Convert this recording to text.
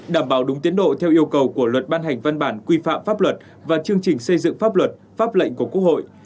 đảm bảo đúng tiến độ theo yêu cầu của luật ban hành văn bản quy phạm pháp luật và chương trình xây dựng pháp luật pháp lệnh của quốc hội